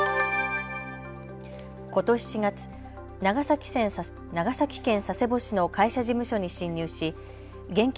ことし４月、長崎県佐世保市の会社事務所に侵入し現金